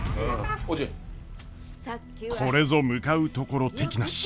これぞ向かうところ敵なし！